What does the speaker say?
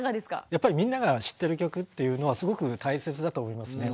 やっぱりみんなが知ってる曲というのはすごく大切だと思いますね。